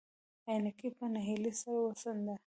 عينکي په نهيلۍ سر وڅنډه.